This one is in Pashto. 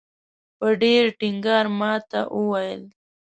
په ډېر ټینګار ماته وویل.